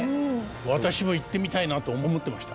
私も行ってみたいなと思ってました。